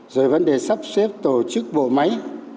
rồi vấn đề sắp xếp tổ chức bộ máy